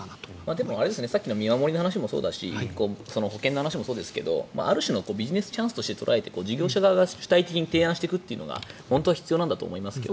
でも、さっきの見守りの話もそうだし保険の話もそうですけどある種のビジネスチャンスとして捉えて事業者側が主体的に提案していくというのが本当は必要なんだと思いますけどね。